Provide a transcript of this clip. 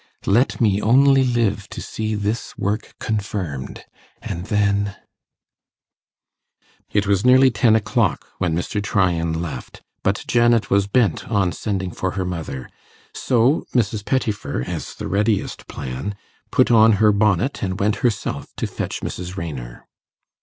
'Let me only live to see this work confirmed, and then ...' It was nearly ten o'clock when Mr. Tryan left, but Janet was bent on sending for her mother; so Mrs. Pettifer, as the readiest plan, put on her bonnet and went herself to fetch Mrs. Raynor.